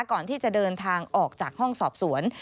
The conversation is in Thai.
ก่อนที่จะเดินทางออกจากห้องสอบสวน